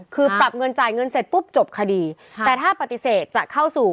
คือปรับเงินจ่ายเงินเสร็จปุ๊บจบคดีแต่ถ้าปฏิเสธจะเข้าสู่